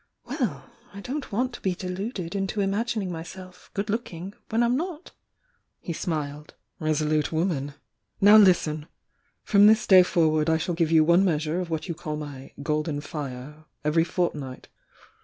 "Well! I don't want to be deluded into imagming myself good looking when I'm not." He smiled. "Resolute woman! Now listen! From this day forward I shall give you one measure of what you call my 'golden fire' every fortnight.